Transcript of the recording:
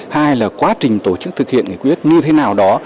hai là quá trình tổ chức thực hiện nghị quyết như thế nào đó